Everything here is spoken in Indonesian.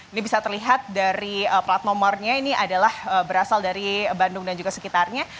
ini bisa terlihat dari plat nomornya ini adalah berasal dari bandung dan juga sekitarnya